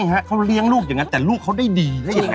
เขาเลี้ยงลูกอย่างนั้นแต่ลูกเขาได้ดีได้ยังไง